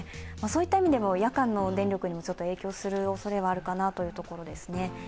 そういった意味でも、夜間の電力にも影響するおそれはあるかなというところですね。